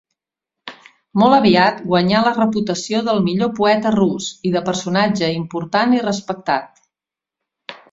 Molt aviat guanyà la reputació del millor poeta rus i de personatge important i respectat.